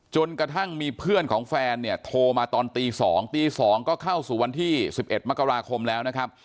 จนกระทั่งมีเพื่อนของแฟนเนี่ยโทรมาตอนตี๒ตี๒ก็เข้าสู่วันที่๑๑มกราคมแล้วนะครับ